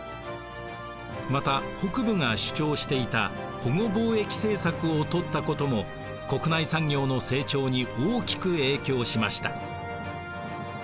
また北部が主張していた保護貿易政策をとったことも国内産業の成長に大きく影響しました。